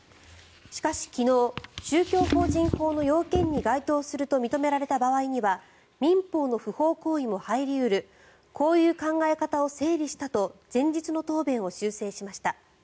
しかし、昨日宗教法人法の要件に該当すると認められた場合には民法の不法行為も入り得るこういう考え方を整理したと前日の答弁を修正しました。